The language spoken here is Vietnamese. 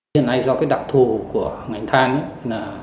hiện nay do đặc thù của ngành than